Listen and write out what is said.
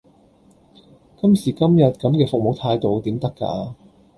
今時今日咁嘅服務態度點得㗎？